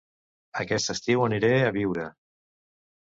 Aquest estiu aniré a Biure